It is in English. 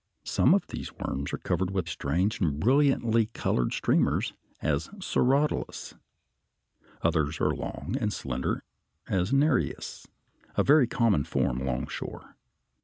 Some of these worms are covered with strange and brilliantly colored streamers, as Cirratulus (Fig. 75). Others are long and slender, as Nereis (Fig. 76), a very common form alongshore.